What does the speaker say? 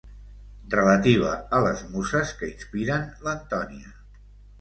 Relativa a les muses que inspiren l'Antònia.